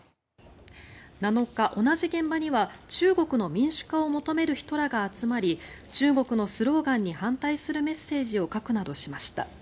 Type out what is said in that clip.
７日、同じ現場には中国の民主化を求める人らが集まり中国のスローガンに反対するメッセージを書くなどしました。